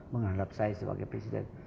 menghadap saya sebagai presiden